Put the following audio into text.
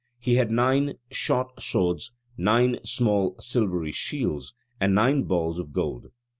He had nine [short] swords, nine [small] silvery shields, and nine balls of gold.